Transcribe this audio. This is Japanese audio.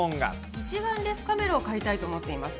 一眼レフカメラを買いたいと思っています。